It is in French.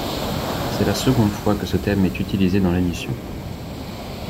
C'est la seconde fois que ce thème est utilisé dans l'émission.